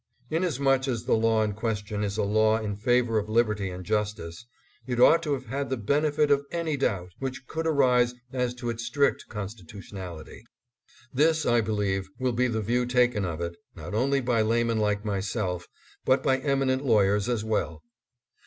Inasmuch as the law in question is a law in favor of liberty and justice, it ought to have had the benefit of any doubt which could arise as to its strict constitution ality. This, I believe, will be the view taken of it, not only by laymen like myself, but by eminent lawyers as well.